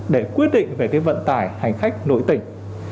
để quyết định về cái vận tải hành khách nội tỉnh